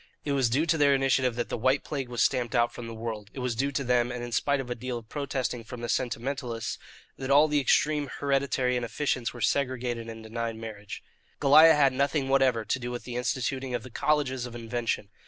It was due to their initiative that the white plague was stamped out from the world. It was due to them, and in spite of a deal of protesting from the sentimentalists, that all the extreme hereditary inefficients were segregated and denied marriage. Goliah had nothing whatever to do with the instituting of the colleges of invention.